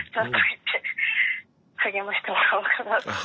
励ましてもらおうかなと思って。